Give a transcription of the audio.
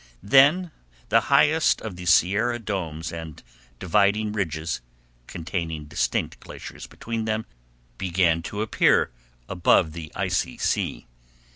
Then the highest of the Sierra domes and dividing ridges, containing distinct glaciers between them, began to appear above the icy sea.